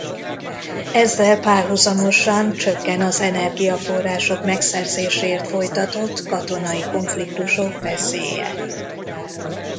Ezzel párhuzamosan csökken az energiaforrások megszerzéséért folytatott katonai konfliktusok veszélye.